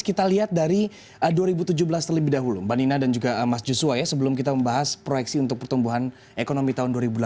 kita lihat dari dua ribu tujuh belas terlebih dahulu mbak nina dan juga mas joshua ya sebelum kita membahas proyeksi untuk pertumbuhan ekonomi tahun dua ribu delapan belas